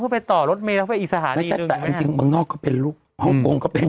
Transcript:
เพื่อไปต่อรถเมฆเข้าไปอีกสถานีหนึ่งแต่อันจริงมานอกก็เป็นลูกห้องโปรงก็เป็น